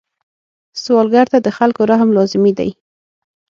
سوالګر ته د خلکو رحم لازمي دی